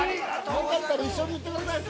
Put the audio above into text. よかったら一緒に言ってください。